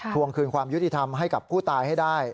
วงคืนความยุติธรรมให้กับผู้ตายให้ได้